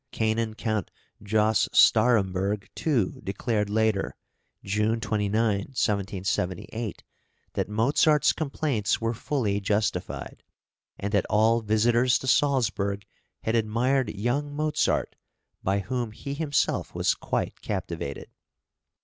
Canon Count Jos. Starhemberg too, declared later (June 29, 1778) that Mozart's complaints were fully justified, and that all visitors to Salzburg had admired young Mozart, by whom he himself was quite captivated.